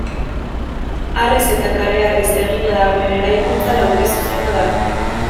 Harriz eta kareharriz egina dagoen eraikuntza lauki zuzena da.